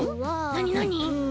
なになに？